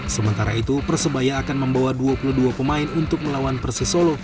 sementara itu persebaya akan membawa dua puluh dua pemain untuk melawan persisolo